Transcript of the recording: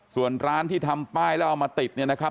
ส่วนร้านที่ทำป้ายแล้วเอามาติดเนี่ยนะครับ